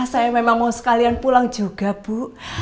saya memang mau sekalian pulang juga bu